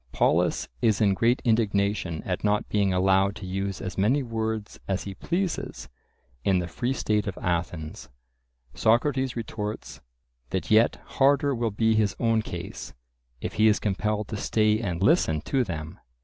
Polus is in great indignation at not being allowed to use as many words as he pleases in the free state of Athens. Socrates retorts, that yet harder will be his own case, if he is compelled to stay and listen to them.